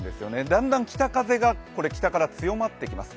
だんだん北風が北から強まってきます。